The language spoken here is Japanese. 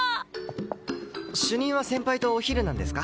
主任は先輩とお昼なんですか？